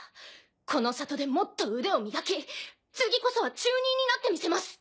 この里でもっと腕を磨き次こそは中忍になってみせます。